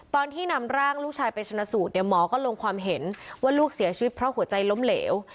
ตอนที่นำร่างลูกชายไปชนะสูตรเนี่ยหมอก็ลงความเห็นว่าลูกเสียชีวิตเพราะหัวใจล้มเหลว